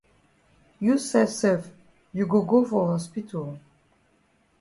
You sef sef you go go for hospital.